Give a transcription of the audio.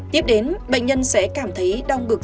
tiếp đến bệnh nhân sẽ cảm thấy đau ngực